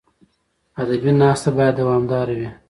ادبي ناسته باید دوامداره وي.